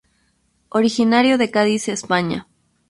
Originario de Cádiz, España.